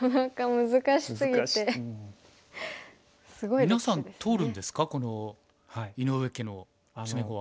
みなさん通るんですかこの井上家の詰碁は。